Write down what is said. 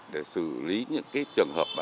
để xử lý những cái trường hợp